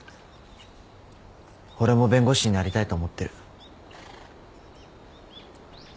俺も弁護士になりたいと思ってる